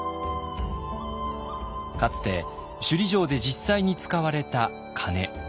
かつて首里城で実際に使われた鐘。